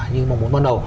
như mà muốn bắt đầu